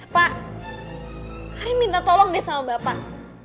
pak kami minta tolong deh sama bapak